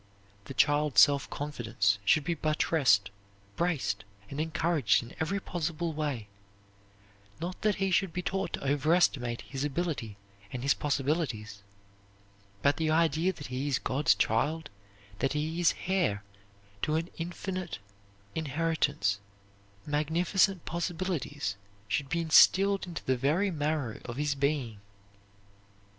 The child's self confidence should be buttressed, braced, and encouraged in every possible way; not that he should be taught to overestimate his ability and his possibilities, but the idea that he is God's child, that he is heir to an Infinite inheritance, magnificent possibilities, should be instilled into the very marrow of his being.